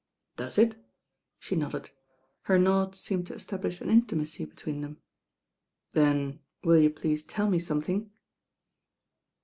"Does it?" She nodded. Her nod seemed to establish an inti macy between them. "Then will you please tell me something?"